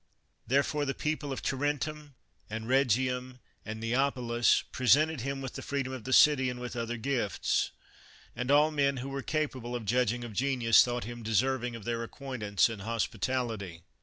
Therefore, the people of Tarentum, and Rhe gium, and Neapolis, presented him with the free dom of the city and with other gifts ; and all men who were capable of judging of genius thought him deserving of their acquaintance and hospi tality.